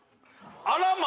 あらま！